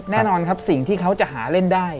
แน่นอนครับสิ่งที่เขาจะหาเล่นได้